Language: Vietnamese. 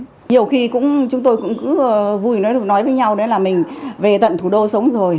nhiều khi chúng tôi cũng cứ vui nói với nhau đấy là mình về tận thủ đô sống rồi